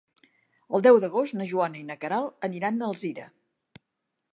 El deu d'agost na Joana i na Queralt aniran a Alzira.